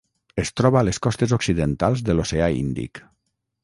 Es troba a les costes occidentals de l'Oceà Índic.